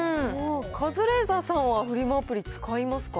カズレーザーさんは、フリマアプリ使いますか？